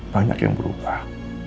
banyak yang berubah